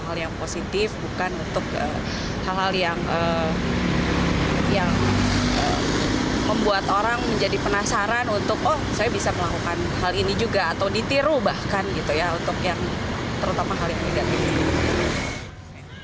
hal yang positif bukan untuk hal hal yang membuat orang menjadi penasaran untuk oh saya bisa melakukan hal ini juga atau ditiru bahkan gitu ya untuk yang terutama hal yang negatif